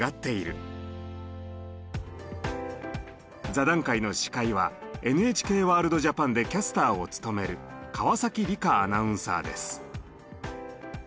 座談会の司会はＮＨＫＷＯＲＬＤＪＡＰＡＮでキャスターを務める川理加アナウンサーです。